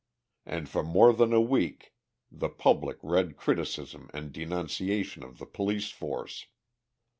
And for more than a week the public read criticism and denunciation of the police force.